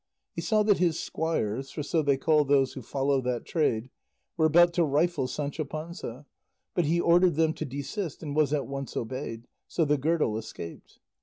He saw that his squires (for so they call those who follow that trade) were about to rifle Sancho Panza, but he ordered them to desist and was at once obeyed, so the girdle escaped.